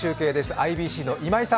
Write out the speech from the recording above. ＩＢＣの今井さん。